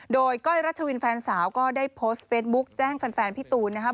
โดยก้อยรัชวินแฟนสาวก็ได้โพสต์เฟสบุ๊คแจ้งแฟนพี่ตูนนะครับ